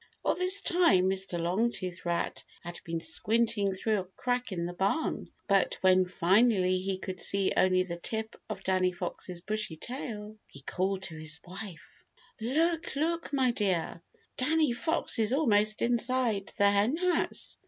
All this time Mr. Longtooth Rat had been squinting through a crack in the barn, but when finally he could see only the tip of Danny Fox's bushy tail, he called to his wife: "Look, look! my dear! Danny Fox is almost inside the Henhouse!"